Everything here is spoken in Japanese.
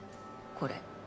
これ。